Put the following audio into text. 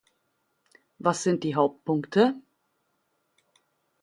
Was sind die Hauptpunkte?